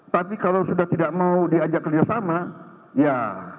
tapi kalau sudah tidak mau diajak kerjasama ya